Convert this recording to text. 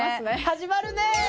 始まるね！